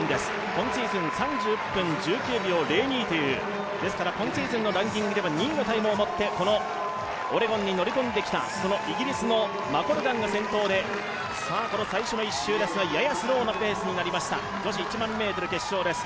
今シーズン３１分１９秒０２という、今シーズンのランキングでは２位のタイムを持ってこのオレゴンに乗り込んできたそのイギリスのマコルガンが先頭で、最初の１周はややスローなペースになりました、女子１００００ｍ決勝です。